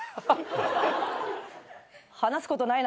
話すことないな。